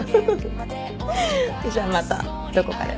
じゃあまたどこかで。